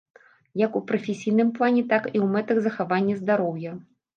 Як у прафесійным плане, так і ў мэтах захавання здароўя.